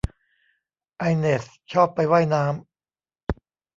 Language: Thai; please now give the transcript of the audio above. ไอเนสชอบไปว่ายน้ำ